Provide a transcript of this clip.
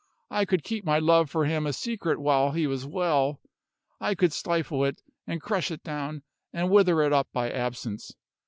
I could keep my love for him a secret while he was well; I could stifle it, and crush it down, and wither it up by absence.